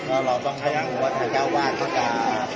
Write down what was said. สวัสดีครับพี่เบนสวัสดีครับ